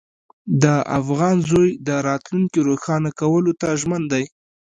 د افغان زوی د راتلونکي روښانه کولو ته ژمن دی.